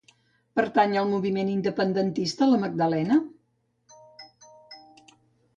Pertany al moviment independentista la Magdalena?